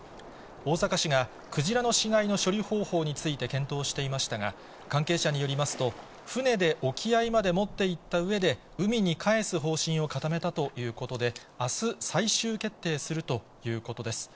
大阪市が、クジラの死骸の処理方法について検討していましたが、関係者によりますと、船で沖合まで持っていったうえで、海に帰す方針を固めたということで、あす、最終決定するということです。